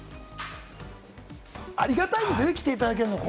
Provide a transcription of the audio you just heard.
ありがたいんですよね、来ていただけるのは。